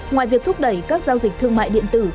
ngoài việc thúc đẩy các giao dịch thương mại điện tử